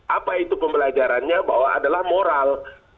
apa itu pembelajarannya bahwa adalah moral